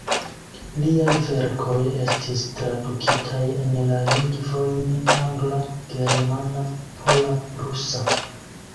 Liaj verkoj estis tradukitaj en la lingvojn angla, germana, pola, rusa.